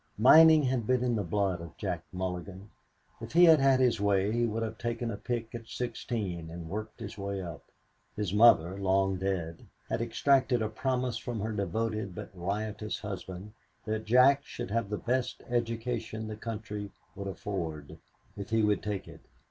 Mining had been in the blood of Jack Mulligan. If he had had his way he would have taken a pick at sixteen, and worked his way up. His mother, long dead, had extracted a promise from her devoted but riotous husband that Jack should have the best education the country would afford, if he would take it.